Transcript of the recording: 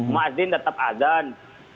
mu'azzin tetap adhan